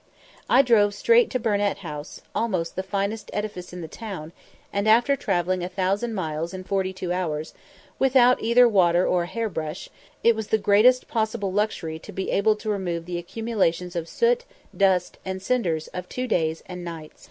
I drove straight to Burnet House, almost the finest edifice in the town, and after travelling a thousand miles in forty two hours, without either water or a hair brush, it was the greatest possible luxury to be able to remove the accumulations of soot, dust, and cinders of two days and nights.